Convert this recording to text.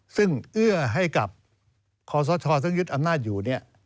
ซึ่งเอื้อให้กับคอสชซึ่งยึดอำนาจอยู่เนี่ย